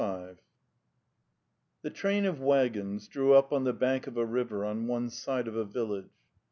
Vv The train of waggons drew up on the bank of a river on one side of a village.